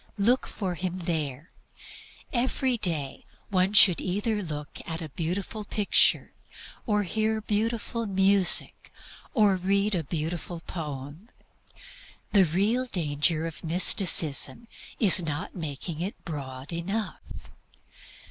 Look for Him there. "Every day one should either look at a beautiful picture, or hear beautiful music, or read a beautiful poem." The real danger of mysticism is not making it broad enough.